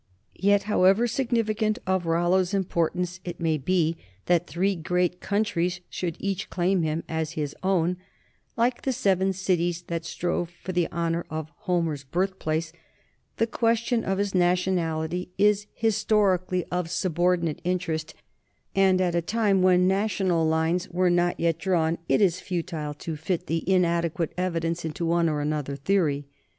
Yet, however significant of Rollo's importance it may be that three great countries should each claim him as its own, like the seven cities that strove for the honor of Homer's birthplace, the ques tion of his nationality is historically of subordinate THE COMING OF THE NORTHMEN 29 interest, and at a time when national lines were not yet drawn, it is futile to fit the inadequate evidence into one or another theory.